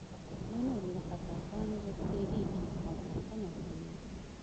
د نورو له خطاګانو ورتېرېږي او بښنه کوي.